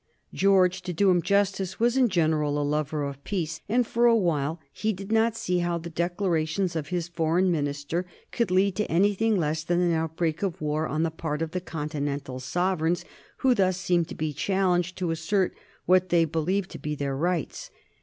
George, to do him justice, was in general a lover of peace, and for a while he did not see how the declarations of his Foreign Minister could lead to anything less than an outbreak of war on the part of the Continental sovereigns, who thus seemed to be challenged to assert what they believed to be their rights.